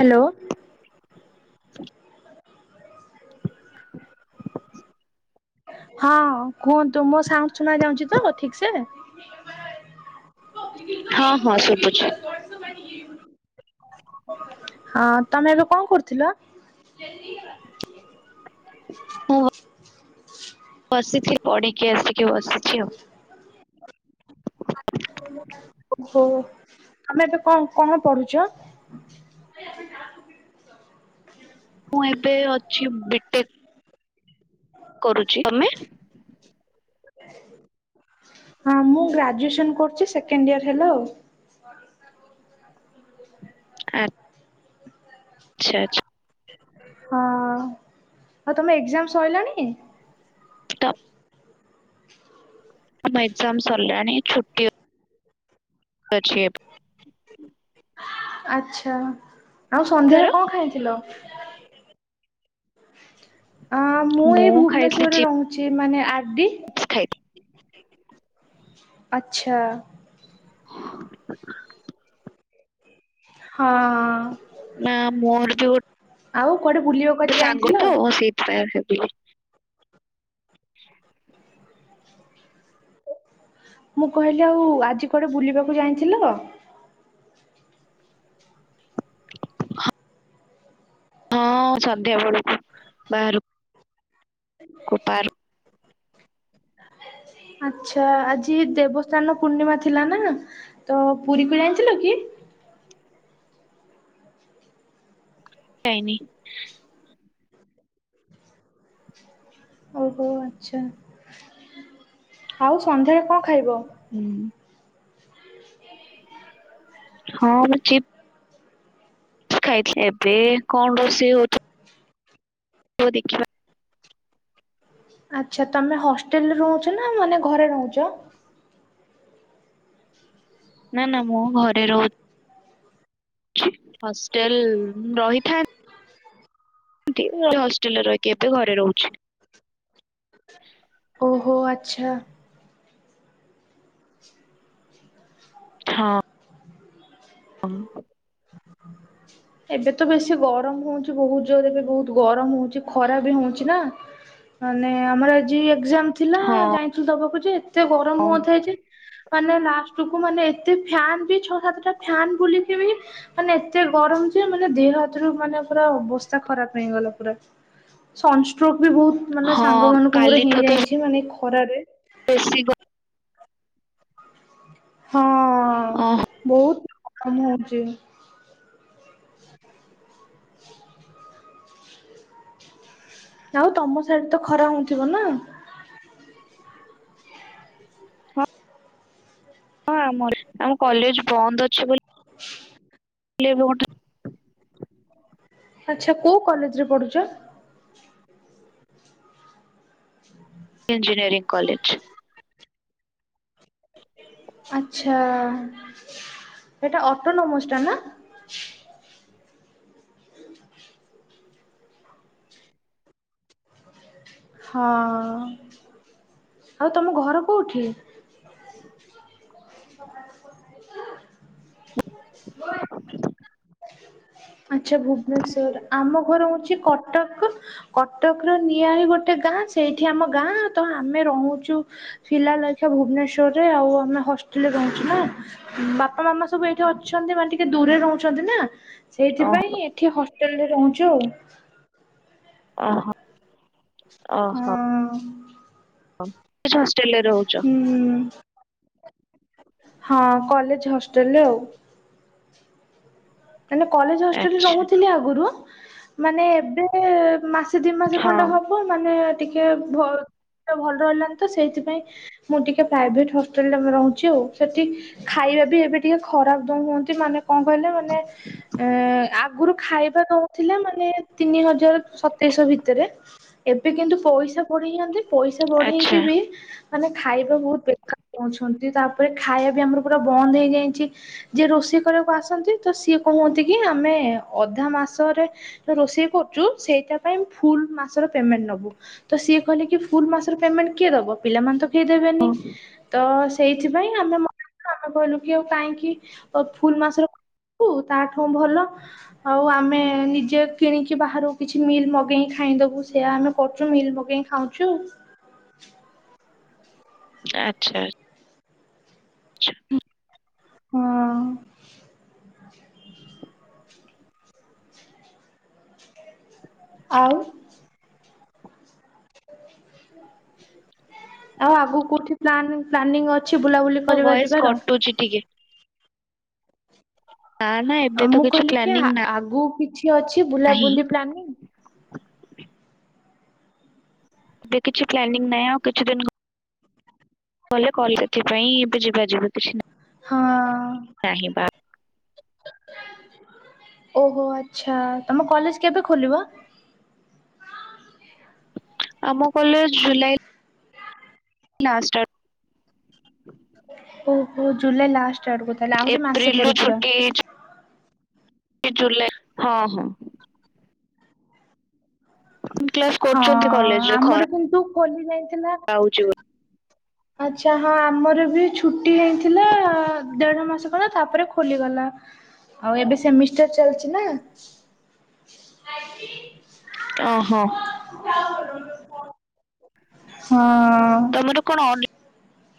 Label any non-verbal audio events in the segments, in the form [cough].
Hello. ହଁ କୁହନ୍ତୁ ମୋ ସାଉଣ୍ଡ୍ ଶୁଣା ଯାଉଛି ତ ଠିକ୍ ସେ? [unintelligible] ହଁ ହଁ ଶୁଭୁଛି ହଁ ତମେ ଏବେ କଣ କରୁଥିଲ? ବସିଚି ପଢ଼ିକି ଆସିକି ବସିଚି ଆଉ। [inaudible] ଓହୋ ତମେ ଏବେ କଣ କଣ ପଢୁଚ? [inaudible] ମୁଁ ଏବେ ଅଛି ବିଟେ କରୁଛି। ତମେ? ହଁ ମୁଁ ଗ୍ରାଜୁଏସନ କରୁଚି। ସେକେଣ୍ଡ ଇୟର ହେଲା ଆଉ। ଆ ଆଚ୍ଛା ଆଚ୍ଛା। ହଁ ଆଉ ତମ ଏକ୍ଜାମ ସଇଲାଣି? ତ ଆମ ଏକ୍ସାମ ସାରିଲାଣି। ଛୁଟି [unintelligible] ଆଛା, ଆଉ ସନ୍ଧ୍ୟା ତାର ବେଳେ କଣ ଖାଇଥିଲ? ଅ ମୁଁ ଏଇ ଭୁବନେଶ୍ୱର ରହୁଚି। ମାନେ ଆରଡି ଚିପ୍ସ ଆଚ୍ଛା। [inaudible] ହଁ। ନା ମୋର ବି ଗୋ ଆଉ କୁଆଡେ ବୁଲିବାକୁ ତ ଆଜି ସାଙ୍ଗ ଯାଇଥିଲ? ତ ମୁଁ ସେଇଥିପାଇଁ ଆସିଥିଲି। [inaudible] ମୁଁ କହିଲି ଆଉ ଆଜି କୁଆଡେ ବୁଲିବାକୁ ଯାଇଥିଲ? [inaudible] ହଁ ସନ୍ଧ୍ୟା ବେଳକୁ ବାହାରକୁ। କୋପାର୍ ଆଚ୍ଛା ଆଜି ଦେବସ୍ଥାନ ପୂର୍ଣ୍ଣିମା ଥିଲା ନା ନା ତ ପୁରୀ କ ଯାଇଥିଲ କି? [inaudible] ଯାଇନି। ଓହୋ ଆଚ୍ଛା ଆଉ ସନ୍ଧ୍ୟାରେ କଣ ଖାଇବ? ହୁଁ ହଁ ଠି ଖାଇଥିଲେ ଏବେ କଣ ରୋଷେଇ ହଉ ହଉ ଦେଖିବା। ଆଚ୍ଛା ତମେ ହଷ୍ଟେଲରେ ରହୁଚ ନା ମାନେ ଘରେ ରହୁଚ? ନା ନା ମୁଁ ଘରେ ରହୁ ହଷ୍ଟେଲ ରହିଥା ହଷ୍ଟେଲରେ ରହିକି ଏବେ ଘରେ ରହୁଚି। [inaudible] ଓହୋ ଆଚ୍ଛା। ହଁ। ହଁ। ହ ଏବେ ତ ବେଶୀ ଗରମ ହୋଉଚି ବୋହୁତ ଜୋର ଏବେ ବୋହୁତ ଗରମ ହୋଉଚି ଖରା ବି ହୋଉଚି ନା। ମାନେ ଆମର ଆଜି ଏକ୍ଜାମ ଥିଲା ହଁ ଜାଣିଥିଲୁ ଦବାକୁ ଯେ ଏତେ ଗରମ ହଁ। ହୁଅଥାଏ ଯେ। ମାନେ ଲାଷ୍ଟ କୁ ମାନେ ଏତେ ଫ୍ୟାନ୍ ବି ଛଅ ସାତଟା ଫନ୍ ବୁଲିକି ବି ମାନେ ଏତେ ଗରମ ଯେ ମାନେ ଦେହ ହାତରୁ ମାନେ ପୁରା ଅବସ୍ଥା ଖରାପ ହେଇଗଲା ପୁରା। ସନଷ୍ଟ୍ରୋକ ବି ବୋହୁତ ମାନେ ସାଙ୍ଗ ହଁ ମାନଙ୍କୁ ମୋର ହେଇ ଯାଇଚି, ମାନେ ଖରାରେ ବେଶି ଗ ହଁ ଅଁ ବୋହୁତ କାମ ହଉଚି। [inaudible] ଆଉ ତମ ସିୟାଡେ ତ ଖରା ହୋଉଥିବ ନା। ହଁ ଆମର ଆମ କଲେଜ ବନ୍ଦ ଅଛି ବୋଲି। [inaudible] [unintelligible] ଆଚ୍ଛା କୋଉ କଲେଜରେ ପଢ଼ୁଚ? Engineering college. ଆଚ୍ଛା ଏଟା ଅଟୋନୋମସ୍ ଟା ନା? ହଁ, ଆଉ ତମ ଘର କୋଉଠି? [unintelligible] [inaudible] ଆଚ୍ଛା ଭୁବନେଶ୍ଵର, ଆମ ଘର ହୋଉଚି କଟକ, କଟକ ର ନିଆଳି ଗୋଟେ ଗାଁ ସେଇଠି ଆମ ଗାଁ ତ ଆମେ ରହୁଚୁ ଶିଲାଲଖା ଭୁବନେଶ୍ଵରରେ ଆଉ। ଆମେ ହଷ୍ଟେଲରେ ରହୁଚି ନା। ବାପା ମାମା ସବୁ ଏଇଠି ଅଛନ୍ତି ମାନେ ଟିକେ ଦୂରରେ ରହୁଛନ୍ତି ନା ସେଇଥିପାଇଁ ଓହୋ ଏଠି ହଷ୍ଟେଲ ରେ ରହୁଚୁ ଆଉ। ଓହୋ। ହଁ। ଓହୋ। ହଷ୍ଟେଲରେ ରହୁଚ? ହୁଁ ହଁ, କଲେଜ ହଷ୍ଟେଲରେ ଆଉ। ମାନେ କଲେଜ ହଷ୍ଟେଲରେ ଆଚ୍ଛା ରହୁଥିଲେ ଆଗରୁ ମାନେ ଏବେ ମା ମାସେ, ଦି ମାସ ଖଣ୍ଡେ ହଁ ହବ ମାନେ ଟିକେ ଭ ଭଲ ରହିଲାନି ତ ସେଇଥିପାଇଁ ମୁଁ ଟିକେ ପ୍ରାଇଭେଟ ହଷ୍ଟେଲରେ ରହୁଛି ଆଉ, ସେଠି ଖାଇ ଖାଇବା ବି ଏବେ ଟିକେ ଖରାପ ଦଉଛନ୍ତି। ମାନେ କଣ କହିଲେ ମାନେ ଆଗରୁ ଖାଇବା ନଉଥିଲା ମାନେ ତିନି ହଜାର ସତେଇଶ ଭିତରେ, ଏବେ କିନ୍ତୁ ପଇସା ବଢେଇନ୍ତି, ପଇସା ଆଚ୍ଛା। ବଢେଇକି ବି ମାନେ ଖାଇବା ବହୁତ ବେକାର ଦଉଛନ୍ତି, ତାପରେ ଖାଇବା ବି ଆମର ପୁରା ବନ୍ଦ ହେଇଯାଇଚି, ଯିଏ ରୋଷେଇ ଜି କରିବାକୁ ଆସନ୍ତି ତ ସିଏ କହୁଚନ୍ତି କି ଆମେ ଅଧା ମାସରେ ରୋଷେଇ କରୁଛୁ ସେଇଟା ପାଇଁ ଫୁଲ ମାସର ପେମେଣ୍ଟ ନବୁ ତ ସିଏ କହିଲେ କି ଫୁଲ ମାସର ପେମେଣ୍ଟ କିଏ ଦବ? ପିଲାମାନେ ତ କେହି ଦେବେନି ତ ସେଇଥିପାଇଁ ଆମେ ମନାକଲୁ ଆମେ କହିଲୁ କି ଆଉ କାହିଁକି ଫୁଲ ମାସର ଦବୁ ତାଠୁ ଭଲ ଆଉ ଆମେ ନିଜେ କିଣିକି ବାହାରୁ କିଛି ମିଲ୍ ମଗେଇକି ଖାଇଦବୁ ସ ସେୟା ଆମେ କରୁଛୁ ମିଲ୍ ମଗେଇ ଖାଉଛୁ ଆଚ୍ଛା। ଚ୍ଛା ହଁ। ଆଉ ଆଉ ଆଗକୁ କୋଉଠି ପ୍ଲାନ ପ୍ଲାନିଂ ଅଛି ବୁଲାବୁଲି ତୋ କରିବା ଭଏସ ଯିବାର? କଟୁଛି ଟିକେ ନା ନା ଏବେ ତ ମୁଁ କିଛି କହିଲି କି ଆ ପ୍ଲାନିଂ ନାହିଁ ଆଗକୁ କିଛି ଅଛି ବୁଲାବୁଲି ପ୍ଲାନିଂ? ଏବେ କିଛି ପ୍ଲାନିଂ ନାହିଁ ଆଉ କିଛି ଦିନ ଗ କହଲେ କଲେଜ ପାଇଁ ଯିବା ଯିବି କିଛି ନା ହଁ। ଓହୋ ଆଚ୍ଛା। ତମ କଲେଜ କେବେ ଖୋଲିବ? ହଁ ଆମ କଲେଜ ଜୁଲାଇ ଲାଷ୍ଟ ଆଡ ଓହୋ ଜୁଲାଇ ଲାଷ୍ଟ ଆଡକୁ ତାହଲେ। ଆଡୁ ଆହୁରି ମାସେ ଏପ୍ରିଲ ରୁ ପରେ ପୁରା। ଛୁଟି ହେଇଛି ଜୁଲାଇ ହଁ ହଁ। କ୍ଲାସ ହଁ, କରୁଛନ୍ତି କଲେଜରେ ଆମର ଖରା କିନ୍ତୁ ଖୋଲି ଯାଇ [unintelligible] ଆଚ୍ଛା ହଁ ଆମର ବି ଛୁଟି ହେଇଥିଲା ଦେଢ ମାସ ଗଲା ତାପରେ ଖୋଲିଗଲା। ଆଉ ଏବେ ସେମିଷ୍ଟାର ଚାଲିଛି ନା ଓହୋ। ହଁ। ତମର କଣ ଅ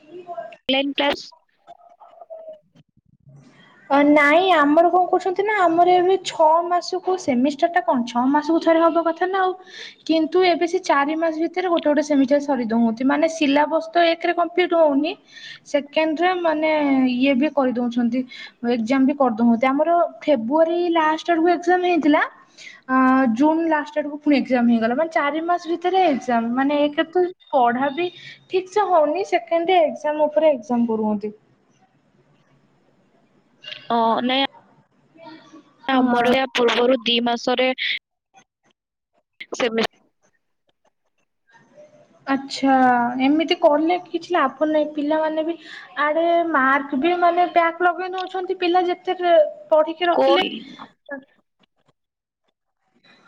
ମୁଁ ପା ଲାଇନ୍ କ୍ଲାସ୍ ହୁଁ ନାଇଁ ଆମର କଣ କରୁଛନ୍ତି ନା ଆମର ଏବେ ଛଅ ମାସକୁ ସେମିଷ୍ଟାର ଟା କଣ ଛଅ ମାସକୁ ଥର ତରେ ହବା କଥା ନା ଆଉ କିନ୍ତୁ ଏବେ ସେ ଚାରି ମାସ ଭିତରେ ଗୋଟେ ଗୋଟେ ସେମିଷ୍ଟାର ସାରିଦଉଅନ୍ତି ମାନେ ସିଲା ବସ ତ ଏଇଥିରେ କମ୍ପିଲିଟ ହଉନି ସେଖେଣ୍ଡେରେ ମାନେ ଇଏ ବି କରିଉ ଚନ୍ତି ଏକ୍ଜାମ ବି କରିଦଉଚନ୍ତି ଆମର ଫେବୁଆରି ଲାଷ୍ଟେ ଆଡକୁ ଏକ୍ସଯାମ ହେଇଥିଲା ଜୁନ୍ ଲାଷ୍ଟଡ଼କୁ ପୁଣି ଏକ୍ଜାମ ହେଇଗଲା ମାନେ ଚାରି ମାସ ଭିତରେ ଏକ୍ଜାମ ମାନେ ଏକେରେ ତ ପଢ଼ା ଠିକ ସେ ହଉନି ସେଠେଏନ୍ତି ଏକ୍ସଯାମ ଉପରେ ଏକ୍ସଯାମ କରଉଅନ୍ତି। ଓ ନାଇ [inaudible] ହଁ। ଆମର ଇଆ ପୂର୍ବରୁ ଦି ମାସରେ ସେମି ଆଛା ଏମିତି କହିଲେ ବି କିଛି ଲାଭ ନାହିଁ ପିଲାମାନୋନ ବି ଆଡେ ମାର୍କ ମାନେ ବ୍ୟାକ୍ ଲଗେଇ ଦଉଛନ୍ତି ପିଲା ଯେତ ଫେ ପଢିକି ରଖିଲେବି କୋରି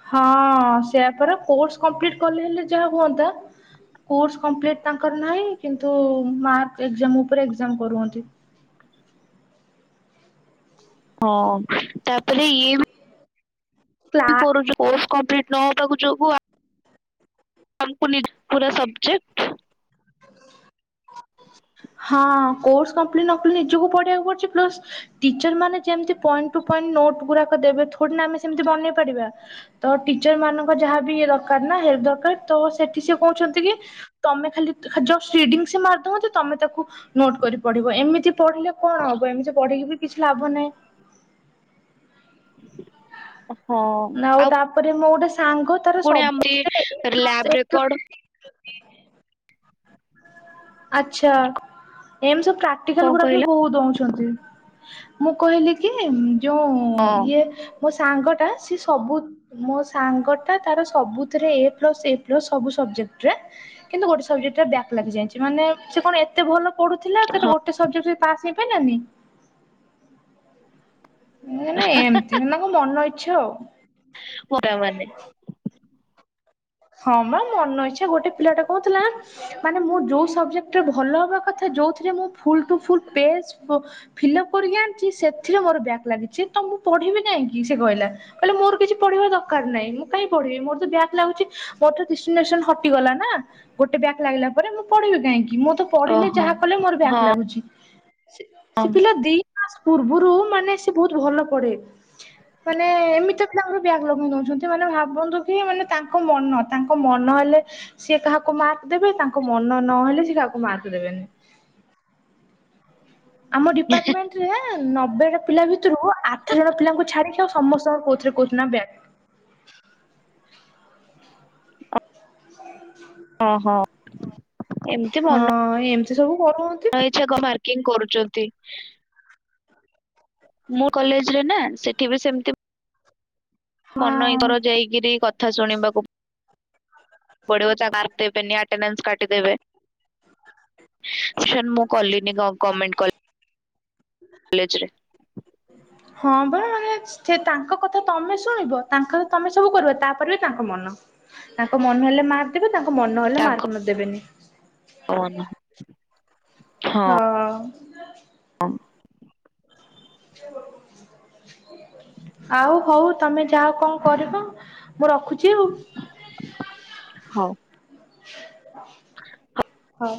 ହଁ ସେୟା ପରା କୋର୍ସ କମ୍ପିଲିଟ କଲେ ହେଲେ ଯାହା ହୁଅନ୍ତା। କୋର୍ସ କମ୍ପଲିଟି ତାଙ୍କର ନାହିଁ କିନ୍ତୁ ମାର୍କ ଏକ୍ସଯାମ ଉପରେ ଏକ୍ସଯାମ କରୁଅନ୍ତି। [unintelligible] ହଁ ତାପରେ ଏଇବି କ୍ଲା କରୁଛୁ କୋର୍ସ କମ୍ପ୍ଲିଟ ନହବାକୁ ଯୋଗୁ ଆ ଆମକୁ ନିଜ ପୁରା ସବଜେକ୍ଟ ହଁ କୋର୍ସ କମ୍ପ୍ଲିଟ ନକଲେ ନିଜକୁ ପଢିବାକୁ ପଡୁଚି ପ୍ଲସ ଟିଚର ମାନେ ଯେମିତି ପଏଣ୍ଟ ଟୁ ପଏଣ୍ଟ ନୋଟ ଗୁଡାକ ଦେବେ ଥୋଡିନା ଆମେ ସେମିତି ବନେଇ ପାରିବା ତ ଟିଚର ମାନଙ୍କ ଯାହା ବି ଇ ଦରକାର ନା ଦରକାର ତ ସେଠି ସେ କହୁଛନ୍ତି କି ତମେ ଖାଲି ଯଷ୍ଟ ରିଡିଙ୍ଗ ସେ ମାରି ଦଉଚି ତମେ ତା ନୋଟ କରି ପଢିବ ଏମିତି ପଢିଲେ କଣ ହବ ଏମିତି ପଢିକି ବି କିଛି ଲାଭ ନହିଁ। ହଁ ଆଉ ତାପରେ ମୁଁ ଗୋଟେ ସାଙ୍ଗ ତାର ପୁଣି ଆମରି ସବୁଥିରେ ଏ ଲ୍ୟାବ ରେକର୍ଡ [unintelligible] ଆଛା ଏମ ସବ ପ୍ରାକ୍ଟିକାଲ କଣ ଗୁଡାକ ବି କହିଲ ବହୁତ ଦଉଛନ୍ତି ମୁଁ କହିଲି କି? ଯେଉଁ ହଁ ଇଏ ମୋ ସାଙ୍ଗ ଟା ସି ସବୁ ମୋ ସାଙ୍ଗଟା ତାର ସବୁଥିରେ ଏ ପ୍ଲସ୍ ଏ ପ୍ଲସ୍ ସବୁ ସବଜେକ୍ଟରେ। କିନ୍ତୁ ଗୋଟେ ସବଜେକ୍ଟ ରେ ବ୍ୟାକ୍ ଲାଗିଯାଇଛି ମାନେ ସେ କଣ ଏତେ ଭ ପଢୁଥିଲା ସେତ ହଁ ଗୋଟେ ସବଜେକ୍ଟରେ ପାସ ହେଇ ପାଇଲାନି। ମୁଁ ନା ଏମିତି ମନକୁ ମନଇଚ୍ଛା ଆଉ ପୁରା ମାନେ ହଁ ବା ମନ ଇଛା ଗୋଟେ ପିଲାଟା କହୁଥିଲା ମାନେ ମୁଁ ଯୋଉ ସବଜେକ୍ଟରେ ଭଲ ହବା କଥା ଯୋଉଥିରେ ମୁଁ ଫୁଲ ଟୁ ଫୁଲ ପେଜ ଅ ଫିଲପ କରିକି ଆଣିଛି, ସେଥିରେ ମୋର ବ୍ୟାକ ଲାଗିଛି ତ ମୁଁ ପଢିବି କାହିଁକି ସେ କହିଲା କହିଲା ମୋର କିଛି ପଢିବା ଦରକାର ନାହିଁ ମୁଁ କାଇଁ ପଢିବି ମୋର ତ ବ୍ୟାଗ ଲାଗୁଛି। ମୋର ତ ଡିଷ୍ଟିନେସନ ହଟିଗଲା ନା ଗୋଟେ ବ୍ୟାଗ ଲାଗିଲା ପରେ ମୁଁ ପଢିବି କାହିଁକି? ମୁଁ ତ ପଢିଲେ ଓହୋ ଯାହା କଲେ ମୋର ବ୍ୟାକ୍ ହଁ ଲାଗୁଛି ସେ ସେ ପିଲା ହଁ ଦି ପୂର୍ବରୁ ମାନେ ସେ ବହୁତ ଭଲ ପଢେ। ମାନେ ଏମିତି ବି ତାଙ୍କର ବ୍ୟାଗ ଲଗଉ ଦେଉଛନ୍ତି ମାନେ ଭାବନ୍ତୁ କି ମାନେ ତା ତାଙ୍କ ମନ ତାଙ୍କ ମନ ହେଲେ ସିଏ କାହାକୁ ମାର୍କ ଦେବେ ତାଙ୍କ ମନ ନହେଲେ ସିଏ କାହାକୁ ମାର୍କ ଦେବେ ଆମ ଡିପାର୍ଟମେଣ୍ଟ ରେ ନବେ ପିଲା ଭିତରୁ ଆଠ ଜଣ ପିଲାଙ୍କୁ ଛାଡିକି ଆଉ ସମସ୍ତଙ୍କ କୋଉଥିରେ କୋଉଥିଲେ ନା ବ୍ୟାଗ। [unintelligible] ହ ହଁ ହଁ। ହଁ ଏମିତି ସବୁ କରୁଛନ୍ତି ମନଇଚ୍ଛା କଣ ପାର୍କିଂ କରୁଛନ୍ତି। ମୋ କଲେଜରେ ନା ସେଠି ବି ସେମିତି ହଁ। ମନେଇଙ୍କର ଯାଇକିରି କଥା ଶୁଣିବାକୁ ପଢ଼ିବ ଚା ମାର୍କ ଦେବେନି ଆଟେନାନ୍ସ କାଟିଦେବେ। ସାର ମୁଁ କଲିନି ଗ-ଗମେଣ୍ଟ କଲେଜ କଲେଜରେ। ହଁ ବା ମାନେ ସେ ତାଙ୍କ କଥା ତମେ ଶୁଣିବ ତାଙ୍କର ତମେ ସବୁ କରିବ ତାପରେ ବି ତାଙ୍କ ମନ ତାଙ୍କ ମନ ହେଲେ ମାର୍କ ଦେବେ ତାଙ୍କ ମନ ହେଲେ ତାଙ୍କ ମାର୍କ ନ ଦେବେନି। ମନ ହଁ ଅ ଆଉ ହଉ ତମେ ଯାହା କଣ କରିବ। ମୁଁ ରଖୁଛି ଆଉ। ହଉ। ହ। ହ